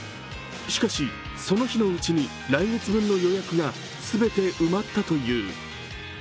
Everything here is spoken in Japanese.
しかし、その日にうちに来月分の予約が全て埋まったという。